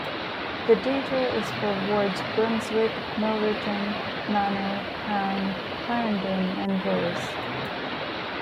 The data is for wards "Brunswick", "Milverton", "Manor", "Crown", "Clarendon" and "Willes".